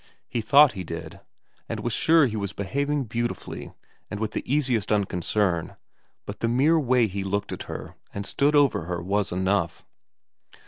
He thought he did, and was sure he was behaving beauti fully and with the easiest unconcern, but the mere way IT VEKA 113 he looked at her and stood over her was enough.